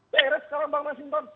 beres sekarang bang masineng